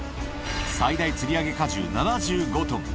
最大つり上げ荷重７５トン。